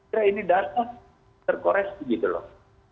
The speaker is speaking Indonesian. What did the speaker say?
ya ini data terkorespon gitu loh